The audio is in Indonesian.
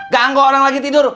ganggu orang lagi tidur